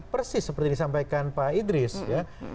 persis seperti yang disampaikan pak idris ya